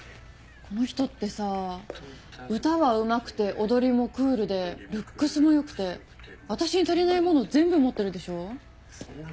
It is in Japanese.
この人ってさぁ歌はうまくて踊りもクールでルックスも良くてあたしに足りないもの全部持ってるでしょ？